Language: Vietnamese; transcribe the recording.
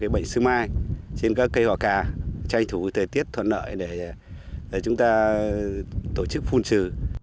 bệnh xương mai trên các cây họ cà tranh thủ thời tiết thuận lợi để chúng ta tổ chức phun trừ